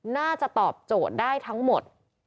น่าจะตอบโจทย์ได้ทั้งหมด